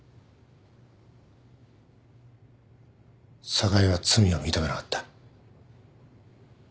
寒河江は罪を認めなかった。